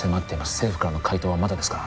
政府からの回答はまだですか？